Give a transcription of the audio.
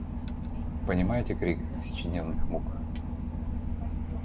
Понимаете крик тысячедневных мук?